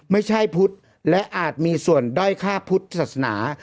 ไม่ใช่พุทธและอาจมีส่วนด้อยค่าพุทธศาสนา